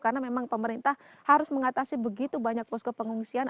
karena memang pemerintah harus mengatasi begitu banyak posko pengungsian